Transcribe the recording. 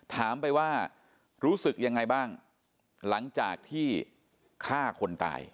ถามไปว่ารู้สึกยังไงบ้างหลังจากที่ฆ่าคนตาย